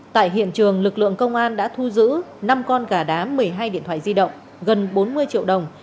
tại hiện trường lực lượng công an đã thu giữ năm con gà đá một mươi hai điện thoại di động gần bốn mươi triệu đồng